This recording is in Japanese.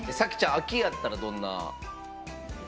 秋やったらどんな？